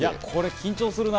緊張するな。